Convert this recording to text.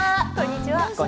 こんにちは。